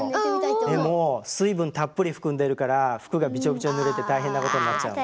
でも水分たっぷり含んでるから服がビチョビチョにぬれて大変なことになっちゃうの。